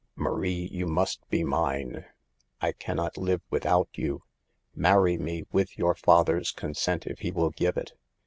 "Marie, you must be mine. I can not live without you. Marry me, with your father's consent if he will give it.